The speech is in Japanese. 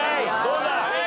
どうだ？